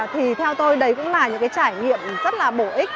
thì theo tôi đấy cũng là những cái trải nghiệm rất là bổ ích